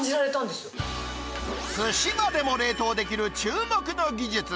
すしまでも冷凍できる注目の技術。